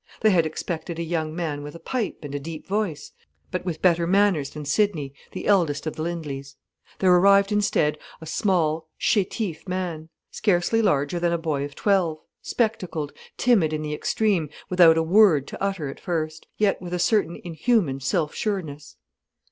They had expected a young man with a pipe and a deep voice, but with better manners than Sidney, the eldest of the Lindleys. There arrived instead a small, chétif man, scarcely larger than a boy of twelve, spectacled, timid in the extreme, without a word to utter at first; yet with a certain inhuman self sureness.